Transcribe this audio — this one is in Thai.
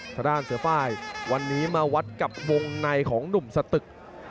ทางด้านเสือไฟล์วันนี้มาวัดกับวงในของหนุ่มสตึก